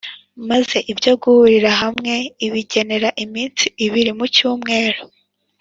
maze ibyo guhurira hamwe ibigenera iminsi ibiri mu cyumweru.